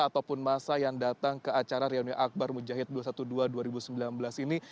ataupun masa yang datang ke acara reuni akbar mujahid dua ratus dua belas dua ribu sembilan belas ini